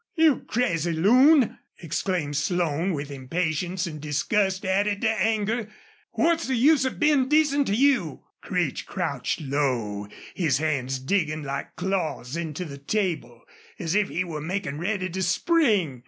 "You crazy loon!" exclaimed Slone, with impatience and disgust added to anger. "What's the use of being decent to you?" Creech crouched low, his hands digging like claws into the table, as if he were making ready to spring.